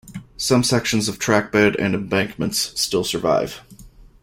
Some sections of trackbed and embankments still survive.